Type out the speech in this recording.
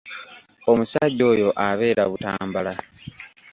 Omusajja oyo abeera Butambala.